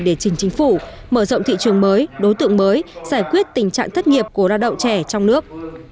để trình chính phủ mở rộng thị trường mới đối tượng mới giải quyết tình trạng thất nghiệp của lao động trẻ trong nước